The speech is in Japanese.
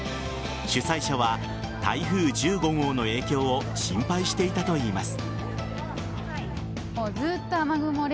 主催者は、台風１５号の影響を心配していたといいます。